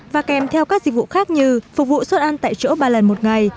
và kèm theo các dịch vụ khác như phục vụ xuất ăn tại chỗ ba lần một ngày